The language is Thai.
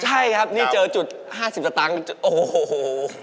ใช่ครับนี่เจอจุด๕๐สตางค์โอ้โห